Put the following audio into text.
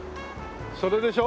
それでしょ？